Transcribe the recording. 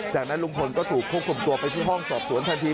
จากนั้นลุงพลก็ถูกควบคุมตัวไปที่ห้องสอบสวนทันที